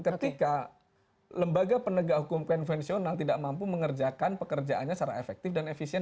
ketika lembaga penegak hukum konvensional tidak mampu mengerjakan pekerjaannya secara efektif dan efisien